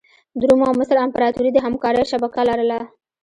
د روم او مصر امپراتوري د همکارۍ شبکه لرله.